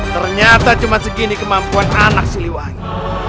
ternyata cuma segini kemampuan anak si liwangi